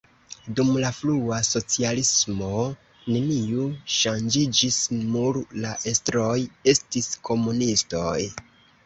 Dum la frua socialismo neniu ŝanĝiĝis, mur la estroj estis komunistoj.